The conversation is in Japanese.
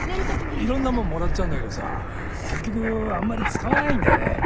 いろんなもんもらっちゃうんだけどさ結局あんまり使わないんだよね。